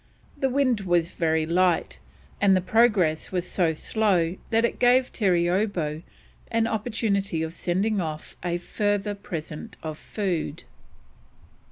The wind was very light, and the progress was so slow that it gave Terreeoboo an opportunity of sending off a further present of food.